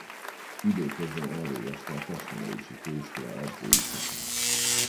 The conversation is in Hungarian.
Időközben elvégezte a Testnevelési Főiskola edzői szakát.